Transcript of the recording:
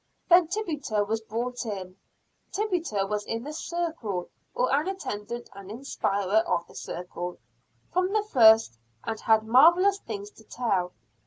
Then Tituba was brought in. Tituba was in the "circle" or an attendant and inspirer of the "circle" from the first; and had marvelous things to tell.